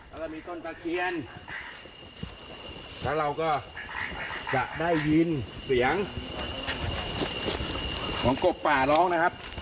แล้วก็มีต้นตะเคียนแล้วเราก็จะได้ยินเสียงของกบป่าร้องนะครับ